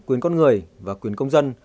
quyền con người và quyền công dân